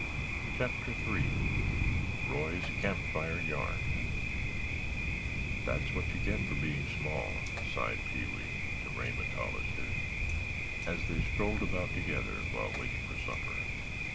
CHAPTER III ROY'S CAMPFIRE YARN "That's what you get for being small," sighed Pee wee to Raymond Hollister, as they strolled about together while waiting for supper.